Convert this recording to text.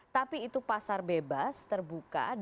tapi itu pasar bebas terbuka